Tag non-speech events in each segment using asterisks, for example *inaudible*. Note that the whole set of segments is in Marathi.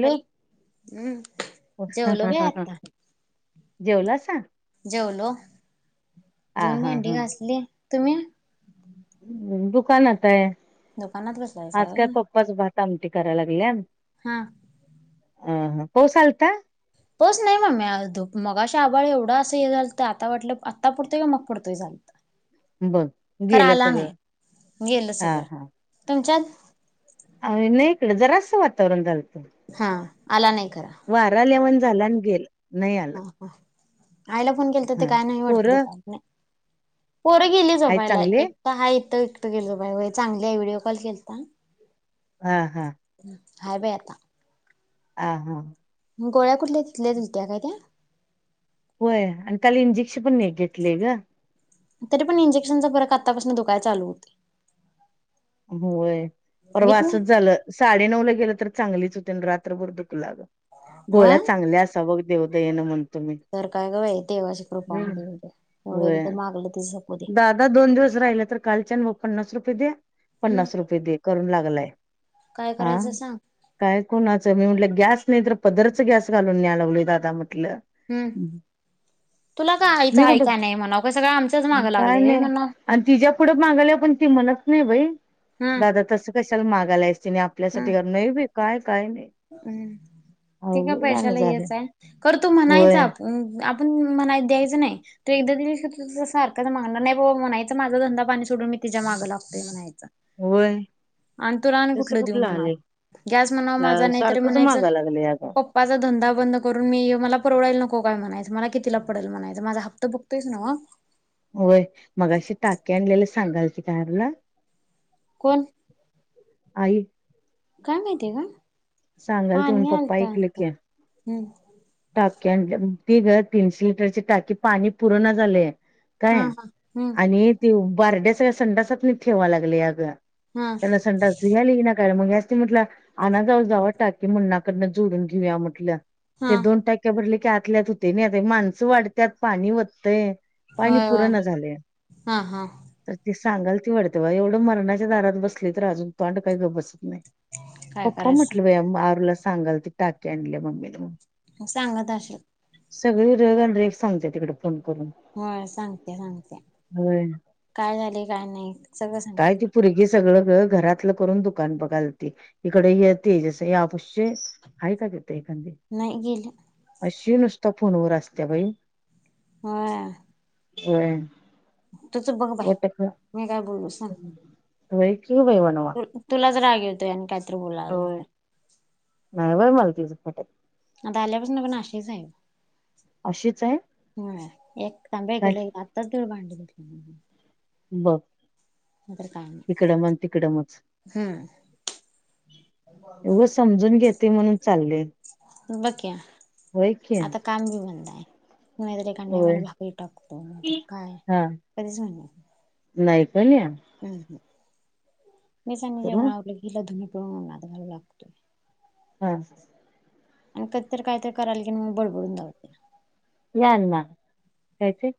हॅलो हम्म ह जेवलो बाई ह हा आता जेवलासा? जेवलो. हा जेऊन हा भांडी हा घासले तुम्ही? ह्म दुकानात हाय. दुकानात बसलायसा होय. च भात आमटी करायला लागल्याय. हा. ह ह पाऊस आलता? पाऊस नाइ ममे ध मगाशी आभाळ एवढं असं हे झालंत आता वाटलं आता पडतोय का? मग पडतोय? झालं. बघ गेलं नाही सगळं गेलं हा सगळं हा. तुमच्यात? आ नाही इकड जरासं वातावरण झालतं. हा आला नाही खरा. वारा आल्यावाणी झाल आणि गेल नाही आलं. हा आईला फोन केला तर ते हा काय नाही वाटत पोरं त नाही. पोरं गेली. आहेत झोपायला चांगले एकट हाय इथ एकट गेल बाय चांगली व्हिडिओ कॉल केलता. हा हा.. हम हाय बाई आता. आ हा ह. मग गोळ्या कुठल्या तिथल्या दिलत्या काय त्या? होय, आणि काल इंजेक्शन पण एक घेतलेय ग. तरी पण इंजेक्शनचा फरक आतापासून दूकायला चालू होतय. होय परवा व्हीत नाही असंच झालं साडे नऊ ला गेलं तर चांगलीच होती रात्रभर दुखल आग. गोळ्या होय चांगल्या असाव बघ देवदयेन म्हण. तर काय ग बाई देवाची कृपा म्हणे एवढं होय एकदा मागलंती *unintelligible* दे. दादा दोन दिवस राहिले तर, कालच्यान म पन्नास रुपये दे. हम्म पन्नास रुपये दे करून लागलाय काय करायचं हं. सांग काय कोणाचं? मी म्हटलं, गॅस नाही तर, पदरच गॅस घालून न्याय लावलोय दादा म्हटलं. हम्म, तुला काय आईचं मी आहे का कुठं नाही म्हणाव, का सगळ आमच काय नाही आणि तीज्या पुढं मागायल्यावर पण ती म्हणत नाही बाई हम्म दादा तस कशाला मागायलास तिने हम्म आपल्यासाठी घर नाही बाई काय काय नाही. हम्म, ते काय अवघड गाणं पैशाला झालंय हेच आहे, करतो म्हणायच होय आपण आप ण म्हणायचं द्यायचं नाही. तू एकदा दिलीस की, तुझ्या सारखाच मागणार नाही बाबा म्हणायचं, माझा धंदा पाणी सोडून मी तिच्या मागं लागतोय म्हणायचं. होय आणि तुला आणि तसं कुठलं देऊ म्हणाव. आलंय गॅस म्हणाव मा झा नाही तर सारखंच म्हणायच मागाय लागलंय अगं माझा धंदा बंद करून मी मला परवडायल नको काय म्हणायचं. मला कितीला पडेल म्हणायच. माझा हप्त ब तेच ना. होय, मघाशी टाकी आणलेले सांगालती काय आरूला कोण? आई. काय माहितीय ग? सांगाल ते म्हण पाणी पप्पा आलतं ऐकले वाटतं, की हम्म. टाकी आणल्या म्हण, ती गं तीनशे लिटरची टाकी, पाणी पुरना झालयं. काय हा हा हम्म आणि ते बारड्या सगळ्या संडासात नी ठेवा लागली अग हा मला संडास धुवायला येना तर मग ह्यासनी म्हटलं, आणा जावा जावा टाकी मुन्नाकडनं जोडून घेऊया म्हटलं. हा ते दोन टाक्या भरले की, आतल्यात होतय नाही अगं. हे माणसं वाढत्यात, पाणी वतंय. पाणी होय होय पूरणा झालयं. हा हा ती सांगाल ती वाटते बा, एवढं मरणाच्या दारात बसली तर, अजून तोंड काही गप्प बस नाही. काय पप्पा म्हटलं करायचं बाय, आरूला सांगाल ती, टाकी आणली मम्मीने म्हणून. मग सांगत असलं. सगळी रेग अन् रेग सांगत्या तिकडं फोन करून. हं, सांगत्या सांगत्या होय काय झाल, काय नाही सगळं सांगत्या. काय ती पुरगी सगळ गं घरातलं करून दुकान बघालती. इकडे हे तेजसचं हे हाय का गं तिथ एखादी? नाही गेलं. अशी नुसता फोनवर असत्या बाई. होय. होय. तूचं बघ बाय, वटक मी काय बोलू सांग? होय की बाई वणवा तुलाच राग येतय आणि काहीतरी होय बोल्यावर नाही बाई मला तिझं पटत. आता आल्यापासन पण अशीच हाय. अशीच आहे होय, एक तांब्या इकडचा काय तिकडं नाय, आत्ताच तेवढी भांडी धुतल्या बघ. *unintelligible* नाहीतर काय मग. इकडं म्हण तिकडं मच उग समजून घेतयं म्हणून चाललय. बघ की, आता काम बी बंदाय. नाइतर एकांद्य होय टाईमाला भाकरी टाकतो, नाइतर काय कधीच म्हणतं नाइ नाय कनी हम्म हम्म मी आणि जेवन करू आवरल की हिला धुनी पिळून उनात घालु लागतोय हम्म आणि कदी तर कायतर कराल की मग बडबडून दावत्या याण्णा काय ते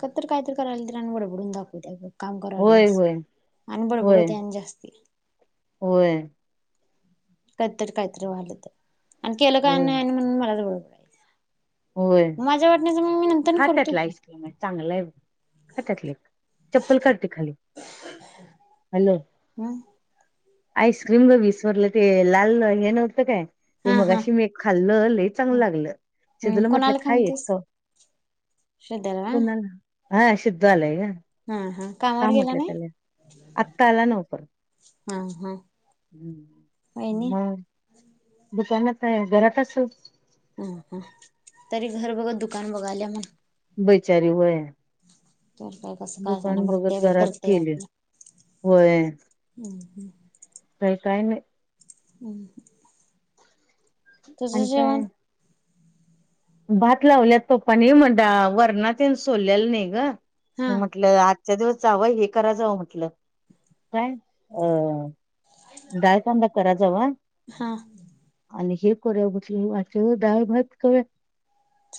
कदी तर काय तर करालीतर आणि बडबडून दाखवत्या गं काम करालोय होय आस होय आन होय बडबडुदे आणि जास्ती होय कदीतरी कायतरी व्हाल तर आणि केलं काय नाइ होय काय आणि म्हणुन मलाच बडबडायच होय नंतरनं खा करतो त्यातला की आईस्क्रीमाय चांगलाय बग खा त्यातलं, चप्पल काड ते खाली, हॅलो हम् आईस्क्रीम ग वीस वरलं ते लाल हे नव्हतं काय ते हा हा मगाशी मी एक खाल्लं लइ चांगलं लागलं हम्म सिदुला म्हटलं खा एक शिध्याला वय कोणाला हा शिद्दु आलाय ग हा हा कामावर खा गेला म्हटलं नाही तेला आत्ता आला नव पर हा हा हम् वहिनी म दुकानात हाय घरात आसल ह हा! ! तरी घर बगत दुकान बगाल्या म्हण? बैचारी वय तर तर दुकान बगत घरात केलय होय. हम् हम्! ! काय काय नइ हम्! तुज आणि काय जेवण! भात लावल्यात पप्पानी म डाळ वरणा तेन सोल्यालं नाइ ग हा म्हटलं आ! आच्या दिवस जावं हे करा जावं म्हटलं काय अ डाळ कांदा करा जावा हा आणि हे करुया म्हटलो आच्या दिव डाळ भात खव्या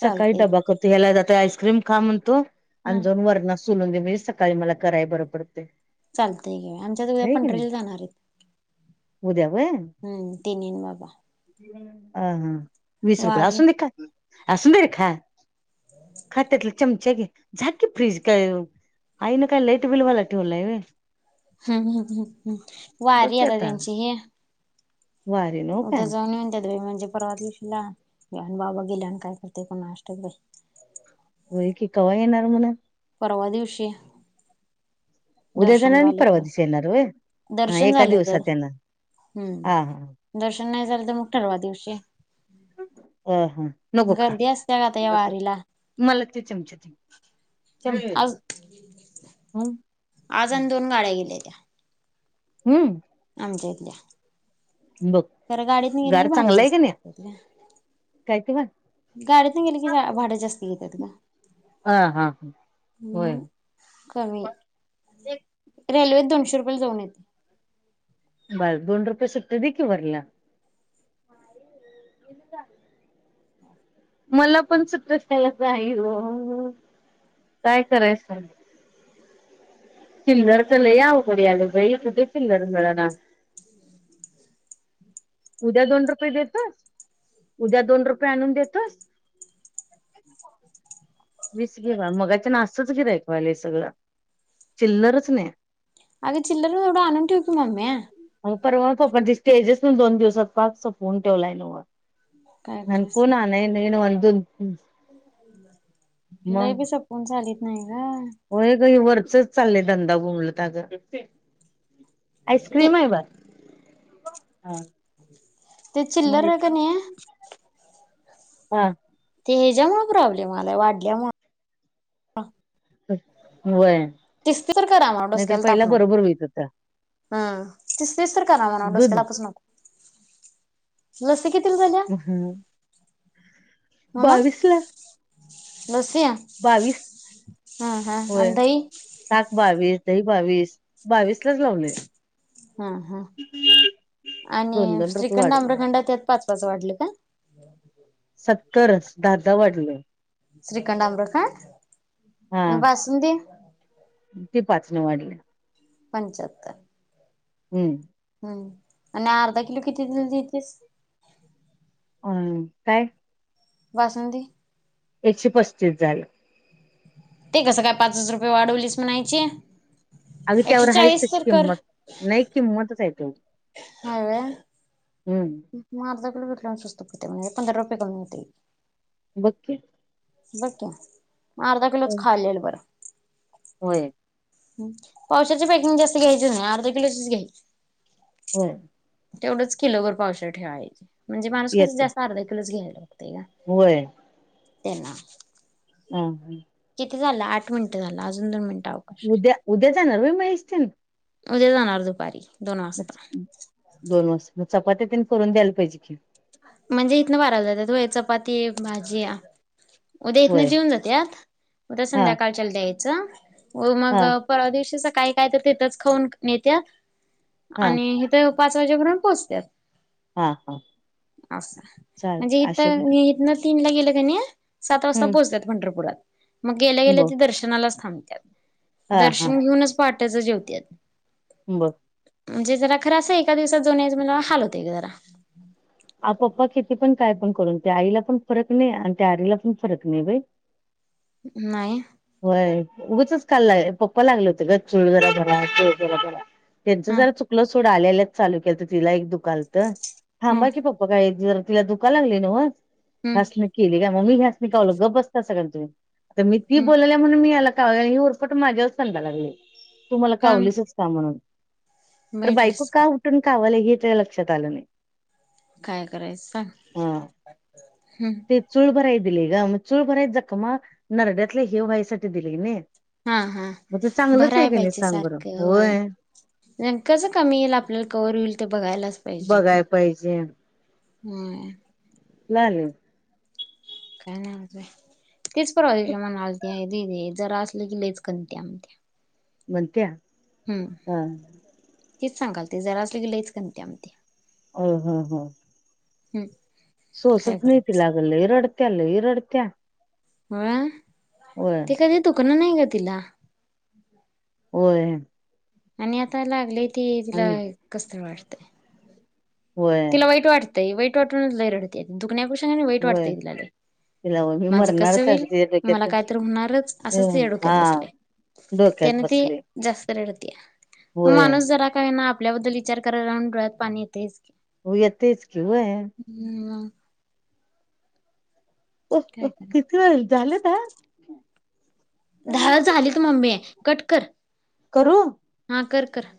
सकाळी डबा करतो हेला जात आईस्क्रीम खा म्हणतो हा आणि जऊन वरणा सुलून दे बाइ सकाळी मला कराय बरं पडतय. चालतय घे आमच्या उद्या पंढरील जाणारायत उद्या वय! ! हम्म तिनीन बाबा अ हा वीस रुपया वारी असून देखा असून दे रे खा खा त्यातला चमचा घे झा की फ्रीज काय ऊ आई न काय लाईट बिल वाला ठेवलाय वय हम् ह् हम् हम् बघ वारी की आता तेंची ही वारीन हो का. उद्या जऊन युंद्यात बइ म्हणजे परवा दिवशी बाबा गेल्या आणि काय करतोय कोणास नाष्टक बाई! व्हय की वा येणार म्हण परवा दिवशी. उद्या दर्शन जाणार आणि झाल परवा तर. दिवशी येणार होय हा दर्शन एका झालं तर. दिवसात येणार हं. हा हा दर्शन नाही झालं तर मग परवा दिवशी. अ हां नको खा. गर्दी असत्या का आता या वारीला मला ते चमचे दे. आज *unintelligible* आज आणि दोन गाड्या गेल्या त्या. हं? आमच्या इथल्या. बघ. खर गाडीतन गेले गार की भाडे चांगला आहे जास्त का नाही घेत्या ते. काय तेव्हा? गाडीतन गेली की जा भाड जास्त घेतात ग. हा हा मग. कमी. एक रेल्वत दोनशे रुपयाला जाऊ येत. बर, दोन रुपय सुट्ट देकी वरल. *unintelligible* मला पण सुट *unintelligible* नाही हो. काय करायचं साग? चिल्लरच लई अवघड आलं बाई. कुठे चील्लर मिळना. उद्या दोन रुपये देतोस? उद्या दोन रुपये आणून देतोस? *inaudible* वीस घेवा. मगाच्यान असंच गिऱ्हाईक व्हायला सगळं. चिल्लरच नाही. अग चिल्लर एवढ आणून ठेव की मम्मे. मग परवा पप्पा न ते स तेजसन दोन दिवसात पार सुकवून ठेवलायल नो वा. काय अन पुन्हा नही नाहि ना *unintelligible* नाही बी सपून चालीत नाही ना. होय गं हे वरचच चाललंय धंदा बोंबलत अगं. ग आईस्क्रीम आहे बाळा. हा. ते मग चिल्लर हे क नाही हा ते ह्याच्यामुळे प्रॉब्लेम आलाय, वाढल्यामुळे. वय. तेच तर करा नाहीतर पहिला बरोबर होइत होत. हं. तीस तस्त तर करा मना दूध डोसकेला *unintelligible* लसत कितीला झाल्या? ममा बावीस ला लसिया? बावीस हं हं. होय अन दही? ताक बावीस, दही बावीस. बावीसलाच लावलेय. हं हं. आणि दोन दोन रुपये श्रीखंड वाढवले. अम्रखंड त्यात पाच पाच वाढल का? सत्तरच दहा दहा वाढले. श्रीखंड आम्रखंड? आणि बास सुंदी? अन ते पाचन वाढल्या. पंच्याहत्तर. हं. हं. आणि अर्धा किलो किती दि देतीस? अम, काय? बासमती एकशे पस्तीस झालं ते कसं काय पाचच रुपये वाढवलीस म्हणायचे? अगं त्यावर आहेच तशी किंमत, नाही किंमतच आहे ती होय हम्म म अर्धा किलो घेतलो असतो कि म पंधरा रुपये कमी होतंय बघ की बघ कि, म अर्धा किलोच खाल्लेल बरं होय हम्मं, पावशेरची पॅकिंग जास्त घ्यायची नाही, अर्धा किलोचीच घ्यायची. होय तेवढंच किलोभर पावशेर ठेवायची म्हणजे माणूस कस येते जास्त अर्धा किलोच घ्यायला बघतय ना होय त्येना *unintelligible* किती झालं, आठ मिनट झालं अजून दोन मिनट आव उद्या, उद्या जाणार व्हय महेश तेनी? उद्या जाणार दुपारी दोन वाजता. दोन वाजता म चपात्यातेन करून द्यायला पाहिजे कि? म्हणजे इथनं बाराला जात्यात होय चपाती, भाजीया. उद्या इथनं होय जेऊन जात्यात, उद्या हा संध्याकाळच्याला द्यायचं व मग हा परवा दिवशी सकाळी काय तर तिथंच खाऊन नेत्या, हा आणि हित ते पाच वाजेपर्यंत पोहोचत्यात. हा, हा. असं, चालत म्हणजे अशोक हितं मी इथनं तीनला गेलं कनी सात वाजता हम्म पोहोचत्यात पंढरपुरात. मग गेल्या, गेल्या ब ते दर्शनालाच थांबत्यात. हा हा दर्शन घेऊनच पाहाटचं जेवत्यात. बघ म्हणजे जरा खरं असं एका दिवसात जाऊन यायचं म्हणल्यावर हाल होतंय गं जरा. आ पप्पा किती पण काय पण करून, त्या आईला पण फरक नाही आणि त्या आरीला पण फरक नाही बाई. नाही? होय, उगचच काल, ला पप्पा लागले होते गं, चूळ जरा भरा, चूळ जरा भरा. त्यांचं हा जरा चुकलं सोड, आल्या आल्याच चालू केलंत तिला एक दुखालत हा थांबा की पप् बघाय जर तिला दुखाय लागलंय नव्ह, हम्म हासणी केली का मग, मी ह्यासणी कावलो, गप बसता कणी तुम्ही, आता मी ती हम्म बोलाल्या म्हणून मी याला काव ही, उरफाट माझ्यावर तंडाय लागलंय, तू मला काय कावलीसच का म्हणून, तर भेटलीस बायको का उठून कावालीय हे त्याच्या लक्षात आलं नाही. काय करायचं सांग? हम. चुळभराय दिलीय गं, मग चुळभराय जखमा नरड्यातले हे व्हायसाठी दिले की नई हां, हा भराय पाहिजे सांग बरं सारखं व्हय होय. व्यक्याचं कमी येईल, आपल्याला कव्हर होईल ते बघायलाच पाहिजे काय बघाय पाहिजे म्मं लहान आहे. काय नाही तेच परवा दिवशी म्हणालती दीदी जरा असलं की लईच कणत्या म्हणत्या. म्हणत्या! हम्म हां. तेच सांगालती जरा असलं की लईच कणत्या म्हणत्या. होय हां हां हां. हम्म. काय सोसत नाही करायचं तिला अगं लई रडत्या लई रडत्या. होय होय ते कधी दुखन नाही गं तिला. होय. आणि आता लागलंय ते तिला आणि कसं तरी वाटतंय. होय तिला वाईट वाटतंय वाईट वाटूनच लई रडत्या ती दुखण्यापेक्षा की नाही वाईट होय वाटतंय तिला लई. तिला मग मी माझं कसं मरणारच होईल असं तिच्या मला डेक्यात कायतरी होणारच असंच तिच्या हम्म डोक्यात हां. बसलंय. डोक्यात त्यानं ती बसलंय. जास्त रडतीया मग माणूस जरा का होईना आपल्याबद्दल विचार करायला राहून डोळ्यात पाणी येतंयच की. येतंयच की होय. हम्म मंग. काही तरी. ते झालता? दहा झालेत मम्मे कट कर करू हां कर कर.